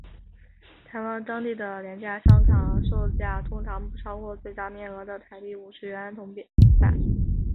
台湾当地的廉价商店售价通常不超过最大面额的台币五十元铜板。